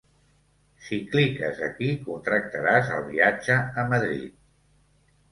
Si cliques aquí, contractaràs el viatge a Madrid.